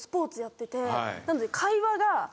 なので会話が。